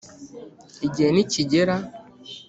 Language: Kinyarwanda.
igihe nikigera.